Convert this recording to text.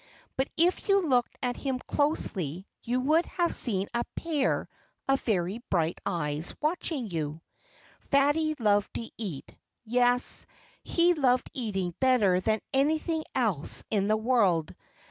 But if you looked at him closely you would have seen a pair of very bright eyes watching you. Fatty loved to eat. Yes he loved eating better than anything else in the world.